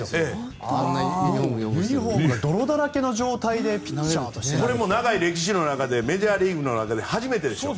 もうユニホームが泥だらけの状態でこれも長い歴史の中でメジャーリーグの中で初めてですよ。